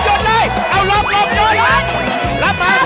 ไหลนะครับตอนนี้นะครับ